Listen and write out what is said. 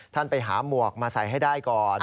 ท่านไปหาหมวกมาใส่ให้ได้ก่อน